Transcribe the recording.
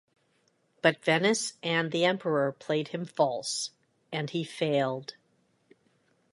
But Venice and the emperor played him false, and he failed.